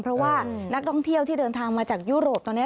เพราะว่านักท่องเที่ยวที่เดินทางมาจากยุโรปตอนนี้